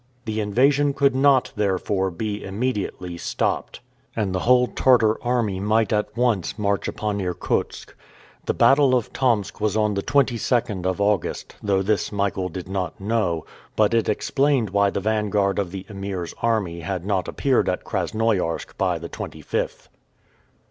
The invasion could not, therefore, be immediately stopped, and the whole Tartar army might at once march upon Irkutsk. The battle of Tomsk was on the 22nd of August, though this Michael did not know, but it explained why the vanguard of the Emir's army had not appeared at Krasnoiarsk by the 25th.